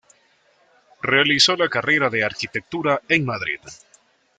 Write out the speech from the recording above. Realizó la carrera de arquitectura en Madrid.